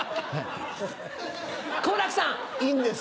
好楽さん！